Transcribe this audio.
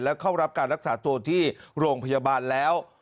และเข้ารับการรักษาตัวที่โรงพยาบาลแล้ว